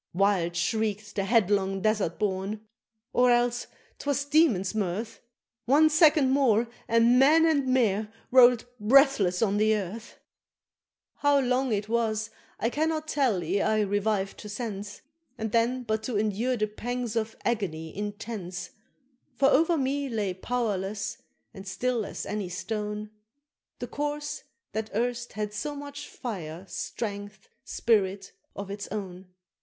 Wild shriek'd the headlong Desert Born or else 'twas demon's mirth, One second more, and Man and Mare roll'd breathless on the earth! How long it was I cannot tell ere I revived to sense, And then but to endure the pangs of agony intense; For over me lay powerless, and still as any stone, The Corse that erst had so much fire, strength, spirit, of its own.